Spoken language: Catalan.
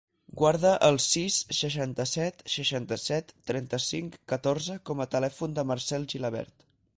Guarda el sis, seixanta-set, seixanta-set, trenta-cinc, catorze com a telèfon del Marcèl Gilabert.